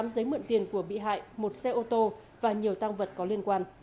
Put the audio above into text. tám giấy mượn tiền của bị hại một xe ô tô và nhiều tăng vật có liên quan